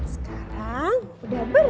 sipa buang air